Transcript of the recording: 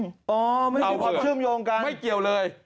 อ๋อไม่ได้คิดว่าความชื่อมโยงกันไม่เกี่ยวเลย